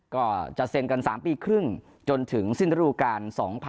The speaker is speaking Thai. ก็จะเซ็นกัน๓ปีครึ่งจนถึงสิ้นฤดูการ๒๐๑๖